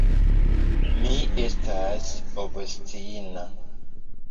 Mi estas obstina.